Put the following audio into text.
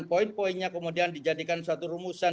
poin poinnya kemudian dijadikan suatu rumusan